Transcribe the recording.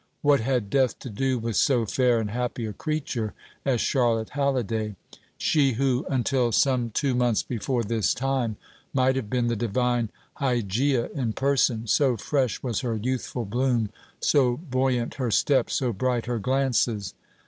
What had Death to do with so fair and happy a creature as Charlotte Halliday? she who, until some two months before this time, might have been the divine Hygieia in person so fresh was her youthful bloom, so buoyant her step, so bright her glances.